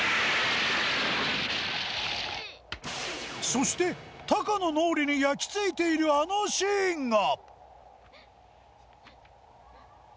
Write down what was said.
そしてタカの脳裏に焼き付いているあのシーンが